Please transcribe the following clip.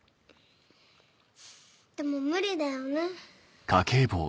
でも無理だよね。